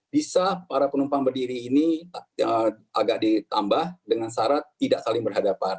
bisa para penumpang berdiri ini agak ditambah dengan syarat tidak saling berhadapan